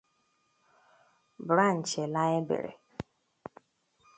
'Branch Library